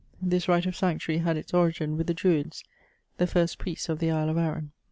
this right of sanctuary had its origin with the Druids, the first priests of the Isletjf Aaron.